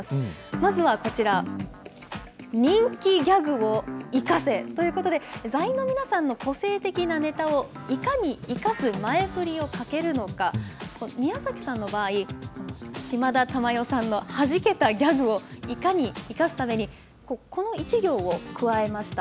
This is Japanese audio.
まずはこちら、人気ギャグを生かせということで、座員の皆さんの個性的なネタをいかに生かす前振りをかけるのか、宮崎さんの場合、島田珠代さんのはじけたギャグをいかに生かすために、この１行を加えました。